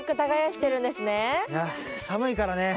いや寒いからね。